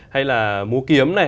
hay là múa kiếm này